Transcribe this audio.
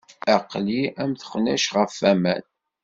Aql-i am texnact ɣef waman.